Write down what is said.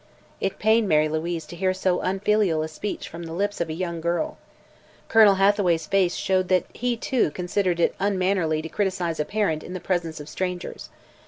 It pained Mary Louise to hear so unfilial a speech from the lips of a young girl. Colonel Hathaway's face showed that he, too, considered it unmannerly to criticise a parent in the presence of strangers.